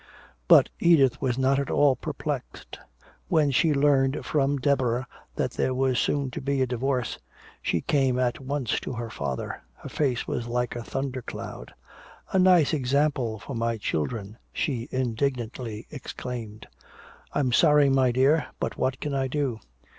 But Edith was not at all perplexed. When she learned from Deborah that there was soon to be a divorce, she came at once to her father. Her face was like a thundercloud. "A nice example for my children!" she indignantly exclaimed. "I'm sorry, my dear. But what can I do?"